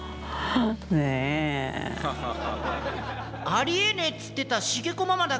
ありえねえっつってた滋子ママだ